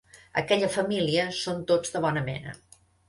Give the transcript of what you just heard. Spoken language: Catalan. Aquella família són tots de bona mena.